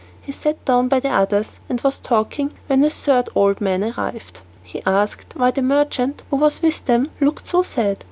He sat down by the others, and was talking, when a third old man arrived. He asked why the merchant who was with them looked so sad.